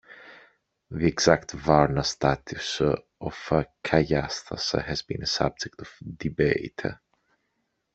The exact "varna" status of Kayasthas has been a subject of debate.